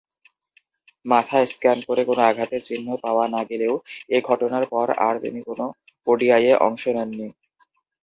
মাথা স্ক্যান করে কোন আঘাতের চিহ্ন পাওয়া না গেলেও এ ঘটনার পর আর তিনি কোন ওডিআইয়ে অংশ নেননি।